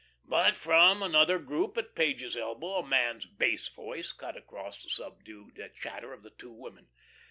But, from another group at Page's elbow, a man's bass voice cut across the subdued chatter of the two women.